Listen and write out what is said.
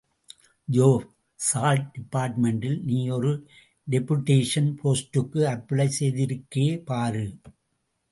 யோவ்... salt டிபார்ட்மெண்ட்ல... நீ ஒரு டெபுடேஷன் போஸ்ட்டுக்கு அப்ளை செய்திருக்கே பாரு!